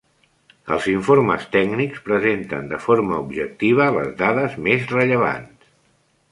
Els informes tècnics presenten de forma objectiva les dades més rellevants.